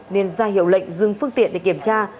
nên ra hiệu lệnh dừng phương tiện để kiểm tra